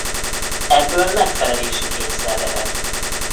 Ebből megfelelési kényszer ered.